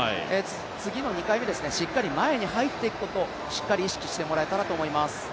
次の２回目しっかり前に入っていくことをしっかり意識してもらえたらと思います。